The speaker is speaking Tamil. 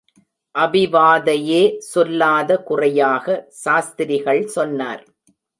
அபிவாதையே சொல்லாத குறையாக சாஸ்திரிகள் சொன்னார்.